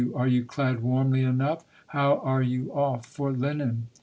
Are you clad warmly enough? How are you off for linen?"